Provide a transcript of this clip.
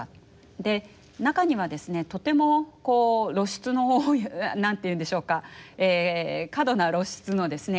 で中にはですねとても露出の多い何て言うんでしょうか過度な露出のですね